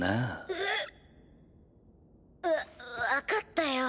うぅ。わ分かったよ